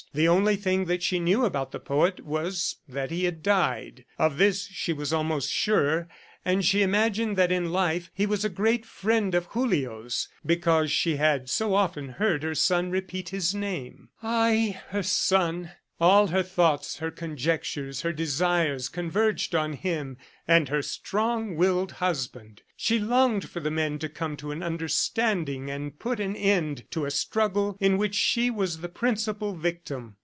The only thing that she knew about the poet was that he had died. Of this she was almost sure, and she imagined that in life, he was a great friend of Julio's because she had so often heard her son repeat his name. Ay, her son! ... All her thoughts, her conjectures, her desires, converged on him and her strong willed husband. She longed for the men to come to an understanding and put an end to a struggle in which she was the principal victim.